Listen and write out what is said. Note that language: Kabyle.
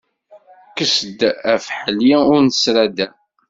Kkes-d afeḥli ur nesraddem.